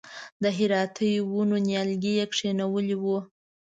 د هراتي ونو نیالګي یې کښېنولي و.